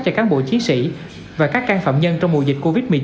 cho cán bộ chiến sĩ và các can phạm nhân trong mùa dịch covid một mươi chín